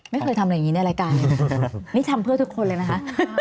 ไม่เคยทำอะไรอย่างนี้ในรายการนี่ทำเพื่อทุกคนเลยนะคะ